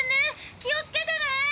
気をつけてね。